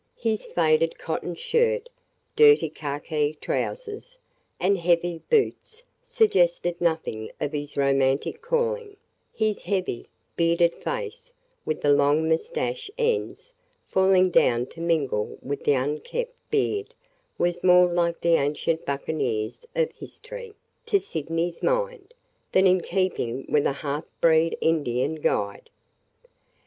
His faded cotton shirt, dirty khaki trousers, and heavy boots suggested nothing of his romantic calling; his heavy, bearded face with the long mustache ends falling down to mingle with the unkempt beard was more like the ancient buccaneers of history, to Sydney's mind, than in keeping with a half breed Indian guide.